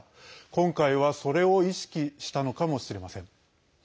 今回は、それを意識したのかもしれません。